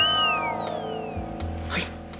ส่งไป